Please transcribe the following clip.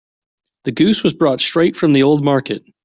The goose was brought straight from the old market.